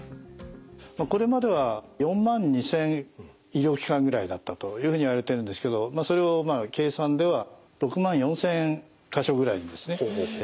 これまでは４万２，０００医療機関ぐらいだったというふうにいわれてるんですけどそれを計算では６万４，０００か所ぐらいに拡大させる方針。